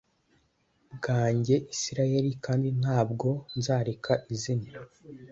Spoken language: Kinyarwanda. Bwanjye isirayeli kandi ntabwo nzareka izina